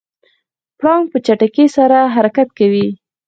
پړانګ په چټکۍ سره حرکت کوي.